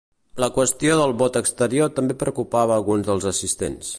La qüestió del vot exterior també preocupava alguns dels assistents.